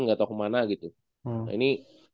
nggak tahu kemana gitu nah ini